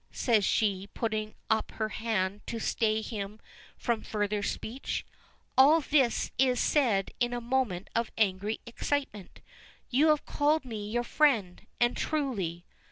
says she, putting up her hand to stay him from further speech. "All this is said in a moment of angry excitement. You have called me your friend and truly.